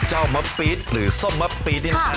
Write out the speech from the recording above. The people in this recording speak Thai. เจ้ามะปี๊ดหรือส้มมะปี๊ดเนี่ยค่ะ